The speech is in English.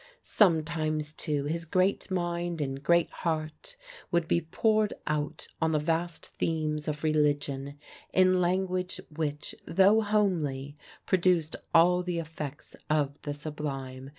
Sometimes, too, his great mind and great heart would be poured out on the vast themes of religion, in language which, though homely, produced all the effects of the sublime.